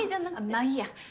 まあいいや。